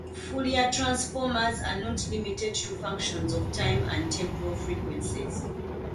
Fourier transforms are not limited to functions of time, and temporal frequencies.